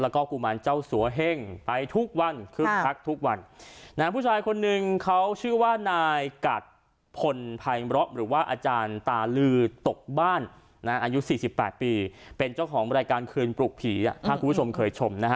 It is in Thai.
ของรายการคืนปลุกผีอ่ะถ้าคุณผู้ชมเคยชมนะฮะ